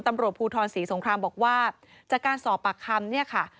ตำรวจภูทรศรีสงครามบอกว่าจากการสอบปากคำเนี่ยค่ะ